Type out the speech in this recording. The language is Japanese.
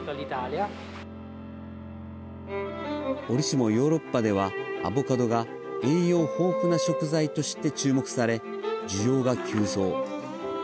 折しもヨーロッパではアボカドが栄養豊富な食材として注目され、需要が急増。